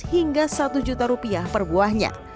hingga rp satu juta per buahnya